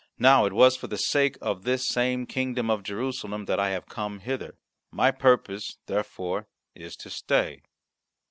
Now, it was for the sake of this same kingdom of Jerusalem that I have come hither. My purpose, therefore, is to stay."